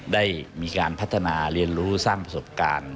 ได้มีการพัฒนาเรียนรู้สร้างประสบการณ์